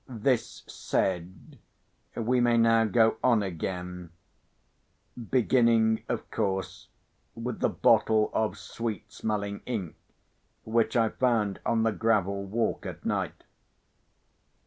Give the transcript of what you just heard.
This said, we may now go on again—beginning, of course, with the bottle of sweet smelling ink which I found on the gravel walk at night.